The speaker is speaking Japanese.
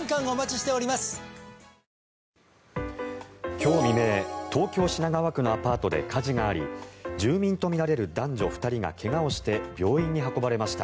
今日未明、東京・品川区のアパートで火事があり住民とみられる男女２人が怪我をして病院に運ばれました。